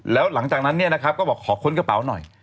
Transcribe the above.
แล้วหลังจากนั้นก็บอกขอค้นกระเป๋าหน่อย